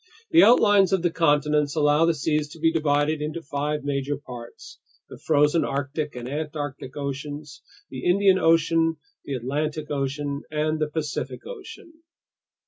The outlines of the continents allow the seas to be divided into five major parts: the frozen Arctic and Antarctic oceans, the Indian Ocean, the Atlantic Ocean, and the Pacific Ocean.